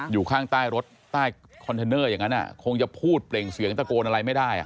อยู่ข้างใต้รถใต้คอนเทนเนอร์อย่างนั้นคงจะพูดเปล่งเสียงตะโกนอะไรไม่ได้